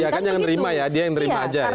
ya kan dia yang terima ya dia yang terima aja ya